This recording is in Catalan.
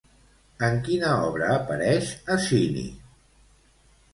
En quina obra apareix Asini?